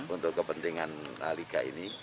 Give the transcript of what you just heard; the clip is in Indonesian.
untuk kepentingan liga ini